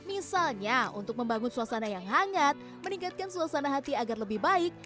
misalnya untuk membangun suasana yang hangat meningkatkan suasana hati agar lebih baik